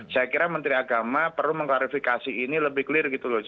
saya kira menteri agama perlu mengklarifikasi ini lebih clear gitu loh